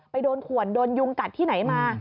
โดนขวนโดนยุงกัดที่ไหนมา